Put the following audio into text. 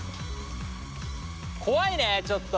怖いねちょっと。